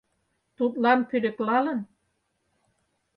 Тудлан пӧлеклалын?